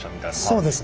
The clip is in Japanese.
そうですね。